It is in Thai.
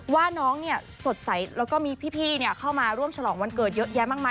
ว่าน้องเนี่ยสดใสแล้วก็มีพี่เข้ามาร่วมฉลองวันเกิดเยอะแยะมากมาย